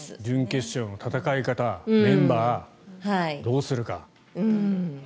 準決勝の戦い方メンバー、どうするか。